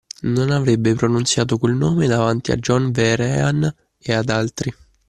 Non avrebbe pronunziato quel nome davanti a John Vehrehan e ad altri.